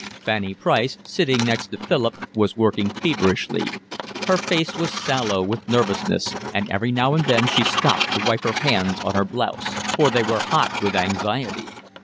Fanny Price, sitting next to Philip, was working feverishly. Her face was sallow with nervousness, and every now and then she stopped to wipe her hands on her blouse; for they were hot with anxiety.